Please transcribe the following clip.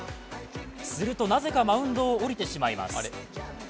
すると、なぜかマウンドを降りてしまいます。